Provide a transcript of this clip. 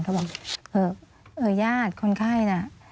เขาบอกเถอะญาติคนไข้น่ะ